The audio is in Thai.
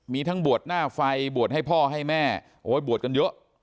มีทั้งบวชหน้าไฟบวชให้พ่อให้แม่โอ้ยบวชกันเยอะ